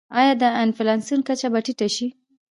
آیا د انفلاسیون کچه به ټیټه شي؟